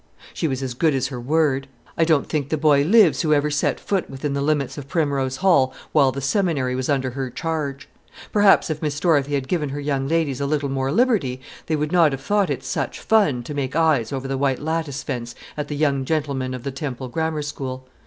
She was as good as her word. I don't think the boy lives who ever set foot within the limits of Primrose Hall while the seminary was under her charge. Perhaps if Miss Dorothy had given her young ladies a little more liberty, they would not have thought it "such fun" to make eyes over the white lattice fence at the young gentlemen of the Temple Grammar School.